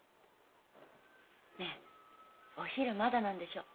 ねえお昼まだなんでしょう？